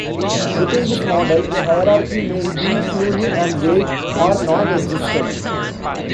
Within this model, a hierarchy may be fluid and vague, or nonexistent.